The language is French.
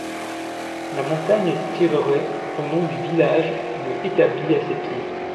La montagne tirerait son nom du village de établi à ses pieds.